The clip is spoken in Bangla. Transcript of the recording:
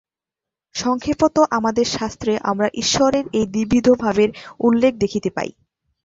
সংক্ষেপত আমাদের শাস্ত্রে আমরা ঈশ্বরের এই দ্বিবিধ ভাবের উল্লেখ দেখিতে পাই।